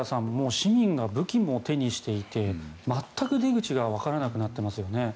市民が武器も手にしていて全く出口がわからなくなっていますよね。